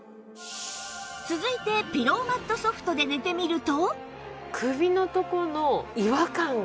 続いてピローマット Ｓｏｆｔ で寝てみると